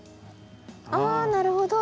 あなるほど。